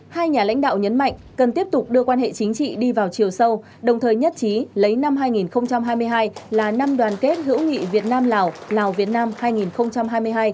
hai nhà lãnh đạo nhấn mạnh cần tiếp tục đưa quan hệ chính trị đi vào chiều sâu đồng thời nhất trí lấy năm hai nghìn hai mươi hai là năm đoàn kết hữu nghị việt nam lào lào việt nam hai nghìn hai mươi hai